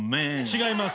違います。